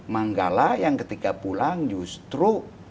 manggala yang ketika pulang justru